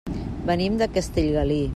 Venim de Castellgalí.